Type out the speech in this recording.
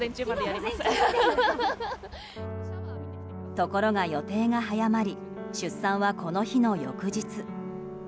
ところが、予定が早まり出産はこの日の翌日。